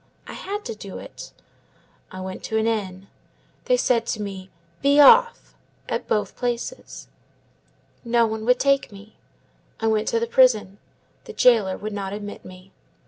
I had to do it. I went to an inn. They said to me, 'Be off,' at both places. No one would take me. I went to the prison; the jailer would not admit me.